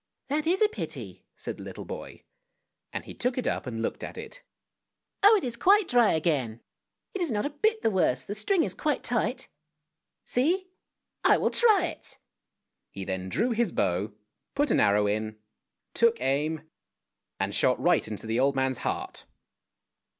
" That is a pity," said the little boy, and he took it up and looked at it. " Oh, it is quite dry again — it is not a bit the worse, the string is quite tight. See, I will try it! " He then drew his bow, put an arrow in, took aim, and shot right into the old man's heart.